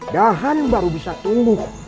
bahan baru bisa tumbuh